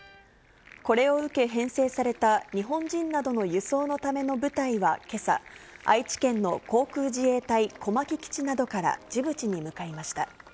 これを受け編成された日本人などの輸送のための部隊はけさ、愛知県の航空自衛隊小牧基地などからジブチに向かいました。